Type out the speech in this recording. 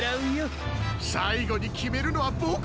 さいごにきめるのはボクたちだ！